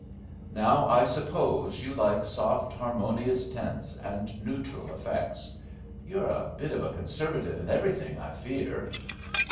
"Now I suppose you like soft, harmonious tints and neutral effects. You're a bit of a conservative in everything, I fear."